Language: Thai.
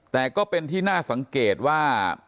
แต่ก็เป็นที่น่าสังเกตว่า